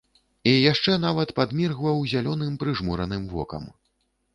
І яшчэ нават падміргваў зялёным прыжмураным вокам.